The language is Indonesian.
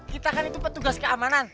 kita kan itu petugas keamanan